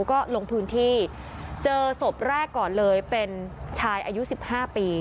ก็ลงพื้นที่เจอศพแรกก่อนเลยเป็นชายอายุ๑๕ปี